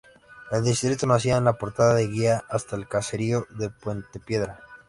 El distrito nacía en la portada de guía hasta el caserío de Puente Piedra.